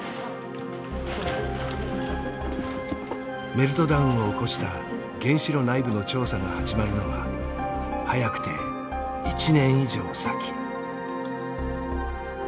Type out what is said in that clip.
メルトダウンを起こした原子炉内部の調査が始まるのは早くて１年以上先。